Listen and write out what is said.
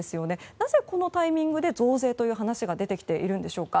なぜこのタイミングで増税という話が出てきているのか。